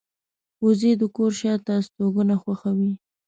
وزې د کور شاته استوګنه خوښوي